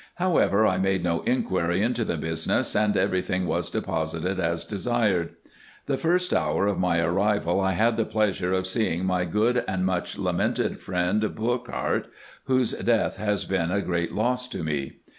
However, I made no inquiry into the business, and every thing was deposited as desired. The first hour of my arrival I had the pleasure of seeing my good and much lamented friend, Burckhardt, whose death has been a great loss to me.